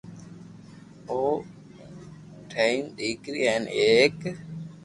او ِٺین نیڪریو ھین ایڪ